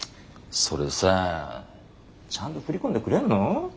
それさちゃんと振り込んでくれんの？